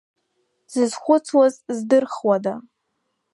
Дзызхәыцуаз здырхуада.